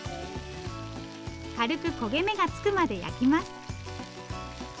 軽く焦げ目がつくまで焼きます。